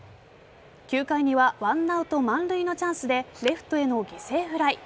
９回には１アウト満塁のチャンスでレフトへの犠牲フライ。